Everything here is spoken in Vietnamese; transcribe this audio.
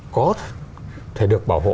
có thể được bảo hộ